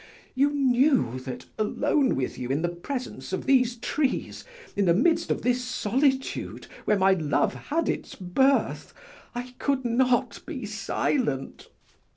You knew that, alone with you in the presence of these trees, in the midst of this solitude where my love had its birth, I could not be silent!